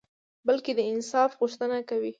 بلکي د انصاف غوښته کوي